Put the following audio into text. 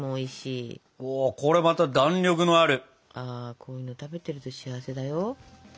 こういうの食べてると幸せだよ。